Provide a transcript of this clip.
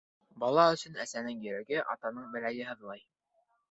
Бала өсөн әсәнең йөрәге, атаның беләге һыҙлар.